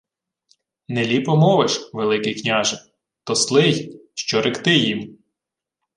— Не ліпо мовиш, Великий княже... То сли й... Що ректи їм?